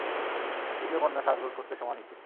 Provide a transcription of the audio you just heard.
দ্বিতীয় কন্যা সাজগোজ করতে সময় নিচ্ছে।